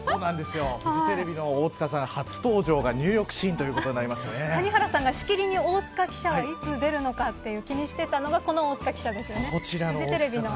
フジテレビの大塚さん谷原さんが、しきりに大塚記者は出るのかと気にしていたのがこの大塚記者ですよね。